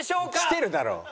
来てるだろ！